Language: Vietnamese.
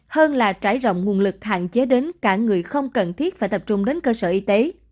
hơn là trải rộng nguồn lực hạn chế đến cả người không cần thiết phải tập trung đến cơ sở y tế